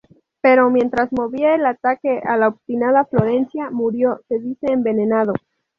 Pero mientras movía el ataque a la obstinada Florencia, murió, se dice, envenenado.